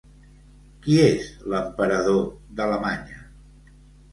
Qui és l'emperador d'Alemanya?